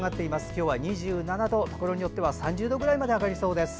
今日は２７度ところによっては３０度くらいまで上がりそうです。